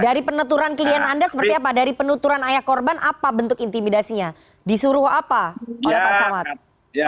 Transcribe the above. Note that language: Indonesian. dari peneturan klien anda seperti apa dari penuturan ayah korban apa bentuk intimidasinya disuruh apa oleh pak camat